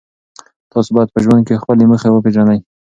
تاسو باید په ژوند کې خپلې موخې وپېژنئ.